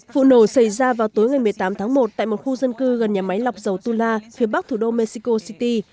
vụ nổ xảy ra vào tối ngày một mươi tám tháng một tại một khu dân cư gần nhà máy lọc dầu tula phía bắc thủ đô mexico city